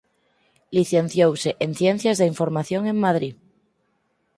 Licenciouse en ciencias da información en Madrid.